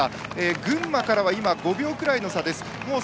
群馬からは今、５秒くらいの差です。